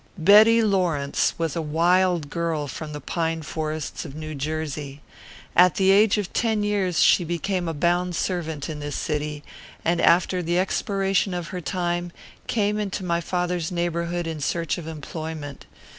Betty Lawrence was a wild girl from the pine forests of New Jersey. At the age of ten years she became a bound servant in this city, and, after the expiration of her time, came into my father's neighbourhood in search of employment.